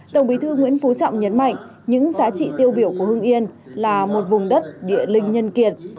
tổng bí thư nguyễn phú trọng nhấn mạnh những giá trị tiêu biểu của hương yên là một vùng đất địa linh nhân kiệt